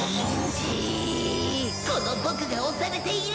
このボクが押されている！？